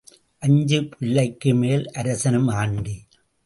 அஞ்சு பிள்ளைக்குமேல் அரசனும் ஆண்டி.